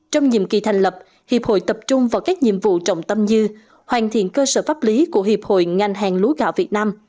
trong nhiệm kỳ thành lập hiệp hội tập trung vào các nhiệm vụ trọng tâm như hoàn thiện cơ sở pháp lý của hiệp hội ngành hàng lúa gạo việt nam